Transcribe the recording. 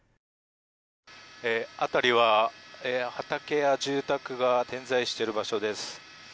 辺りは畑や住宅が点在している場所です。